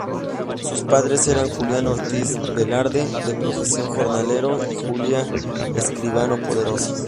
Sus padres eran Julián Ortiz Velarde, de profesión jornalero, y Julia Escribano Poderoso.